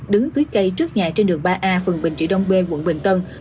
đứng dưới cây trước nhà trên đường ba a phường bình trị đông bê quận bình tân